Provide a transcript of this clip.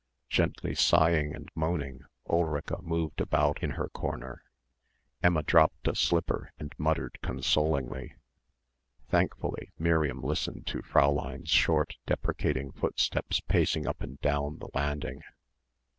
Gently sighing and moaning Ulrica moved about in her corner. Emma dropped a slipper and muttered consolingly. Thankfully Miriam listened to Fräulein's short, deprecating footsteps pacing up and down the landing.